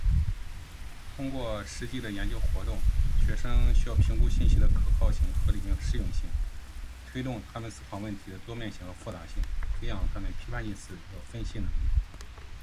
另外，研究法有利于培养学生的批判性思维。通过实际的研究活动，学生需要评估信息的可靠性、合理性和适用性，推动他们思考问题的多面性和复杂性，培养了他们的批判性思维和分析能力。